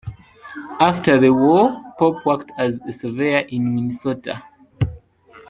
After the war Pope worked as a surveyor in Minnesota.